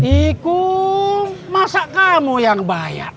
ih kum masa kamu yang bayar